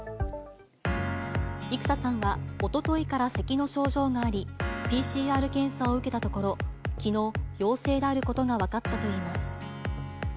生田さんは、おとといからせきの症状があり、ＰＣＲ検査を受けたところ、きのう、陽性であることが分かったといいます。